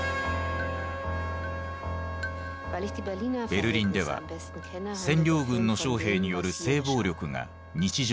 ベルリンでは占領軍の将兵による性暴力が日常